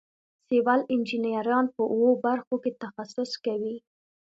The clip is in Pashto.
سیول انجینران په اوو برخو کې تخصص کوي.